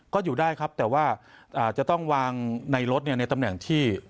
ก็อยู่ได้ครับแต่ว่าจะต้องวางในรถในตำแหน่งที่